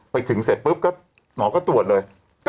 ไปถึงเสร็จปุ๊บก็หมอก็ตรวจเลย